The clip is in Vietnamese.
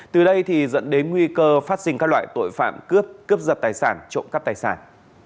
từ đây dẫn đến nguy cơ phát sinh các loại tội phạm cướp cướp giật tài sản trộm cắp tài sản